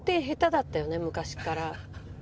だったよね昔から。